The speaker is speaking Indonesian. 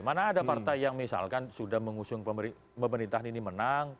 mana ada partai yang misalkan sudah mengusung pemerintahan ini menang